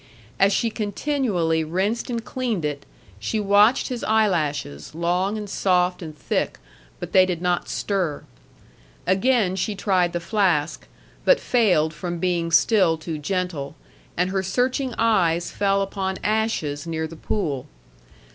As she continually rinsed and cleaned it, she watched his eyelashes, long and soft and thick, but they did not stir. Again she tried the flask, but failed from being still too gentle, and her searching eyes fell upon ashes near the pool.